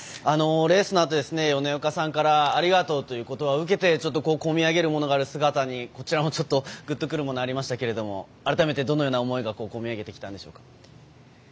レースのあとで米岡さんからありがとうということばを受けて込み上げるものがある姿にこちらもちょっとぐっとくるものがありましたけれども改めて、どのような思いが込み上げてきたんでしょうか。